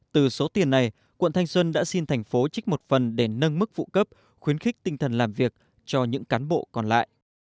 từ số tiền này quận thanh xuân đã xin thành phố trích một phần để nâng mức phụ cấp khuyến khích tinh thần làm việc cho những cán bộ còn lại